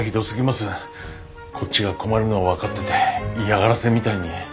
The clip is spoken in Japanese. こっちが困るのを分かってて嫌がらせみたいに。